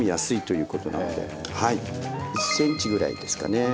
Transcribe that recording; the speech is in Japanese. １ｃｍぐらいですかね。